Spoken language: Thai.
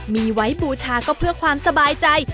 มีไว้บูชาก็เพื่อความสบายใจ